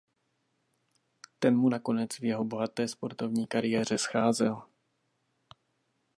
Ten mu nakonec v jeho bohaté sportovní kariéře scházel.